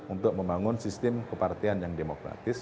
untuk membangun sistem kepartian yang demokratis